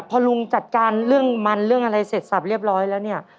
พอลุงจัดการเรื่องมันเรื่องอะไรเสร็จสับเรียบร้อยแล้วเนี่ย